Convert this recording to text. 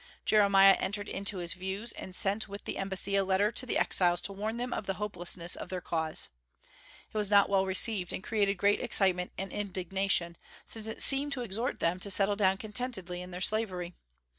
Jeremiah entered into his views, and sent with the embassy a letter to the exiles to warn them of the hopelessness of their cause. It was not well received, and created great excitement and indignation, since it seemed to exhort them to settle down contentedly in their slavery.